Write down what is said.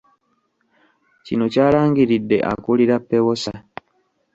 Kino kyalangiridde akulira PEWOSA